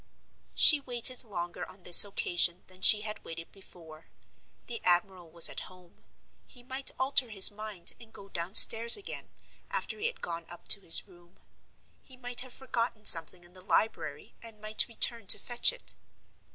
She waited longer on this occasion than she had waited before. The admiral was at home; he might alter his mind and go downstairs again, after he had gone up to his room; he might have forgotten something in the library and might return to fetch it.